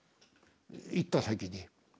行った先で。